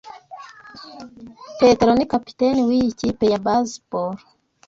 Petero ni kapiteni wiyi kipe ya baseball.